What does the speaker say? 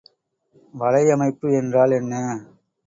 வலையமைப்பு என்றால் என்ன?